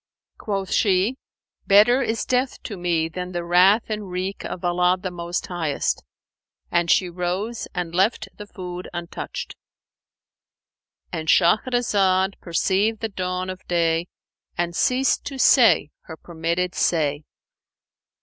Quoth she, 'Better is death to me than the wrath and wreak of Allah the Most Highest;' and she rose and left the food untouched"—And Shahrazad perceived the dawn of day and ceased to say her permitted say.